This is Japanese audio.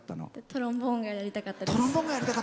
トロンボーンがやりたかったです。